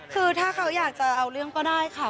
คือถ้าเขาอยากจะเอาเรื่องก็ได้ค่ะ